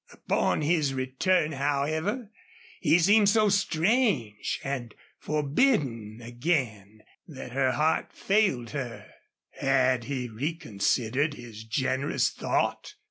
Upon his return, however, he seemed so strange and forbidding again that her heart failed her. Had he reconsidered his generous thought?